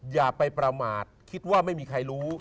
อย่าไปประมาทคิดว่าไม่มีใครรู้